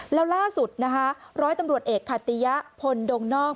แล้วล่าสุดนะคะร้อยตำรวจเอกขติยะพลดงนอก